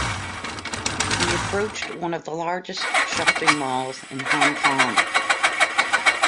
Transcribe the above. We approached one of the largest shopping malls in Hong Kong.